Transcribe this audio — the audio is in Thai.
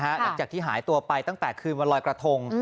หลังจากที่หายตัวไปตั้งแต่คืนวันลอยกระทง